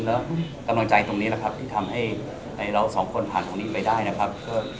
แล้วกำลังใจตรงนี้แหละครับที่ทำให้เราสองคนผ่านตรงนี้ไปได้นะครับ